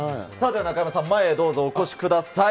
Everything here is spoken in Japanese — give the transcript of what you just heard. では中山さん、どうぞ、前へお越しください。